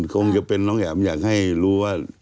คงจะเป็นน้องแอ๋มอยากให้รู้ว่า